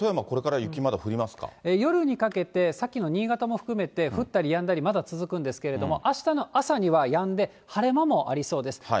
これから雪、夜にかけて、さっきの新潟も含めて、降ったりやんだり、まだ続くんですけれども、あしたの朝にはやんで、晴れ間もありそうです。